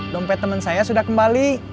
dompet teman saya sudah kembali